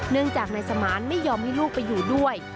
เนื่องจากนายสมานไม่ยอมให้ลูกไปอยู่ด้วย